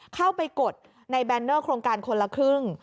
เข้าไปกดในแบนเนอร์โครงการคนละครึ่ง